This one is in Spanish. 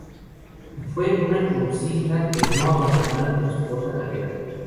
Y fue una consigna que no abandonaron en su corta carrera.